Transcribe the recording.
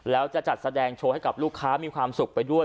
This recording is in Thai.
แล้วจะจัดแสดงโชว์ให้กับลูกค้ามีความสุขไปด้วย